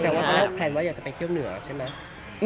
แต่ว่าตอนแรกแพลนว่าอยากจะไปเที่ยวเหนือใช่ไหม